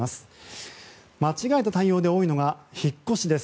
間違えた対応で多いのが引っ越しです。